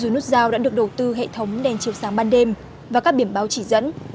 ngày chiều sáng ban đêm và các biển báo chỉ dẫn